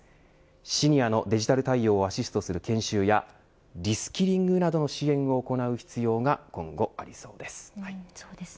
シニアのデジタル対応をアシストする研修やリスキリングなどの支援を行う必要が今後、ありそうです。